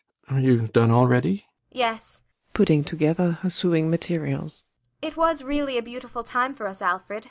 Are you done already? ASTA. Yes. [Putting together her sewing materials.] It was really a beautiful time for us, Alfred.